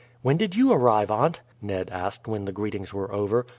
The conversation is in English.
"When did you arrive, aunt?" Ned asked, when the greetings were over.